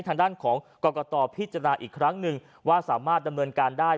ทางด้านของกรกตพิจารณาอีกครั้งหนึ่งว่าสามารถดำเนินการได้